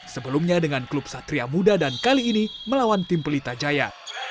sebelumnya dengan klub satria muda dan kali ini melawan tim pelita jaya